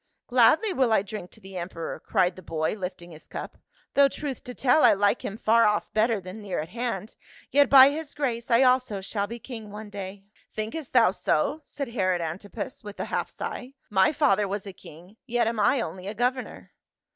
" Gladly will I drink to the emperor," cried the boy lifting his cup, " though truth to tell, I like him far off better than near at hand. Yet by his grace I also shall be king one day." "Thinkest thou so?" said Herod Antipas with a half sigh. ,"My father was a king, yet am I only a governor."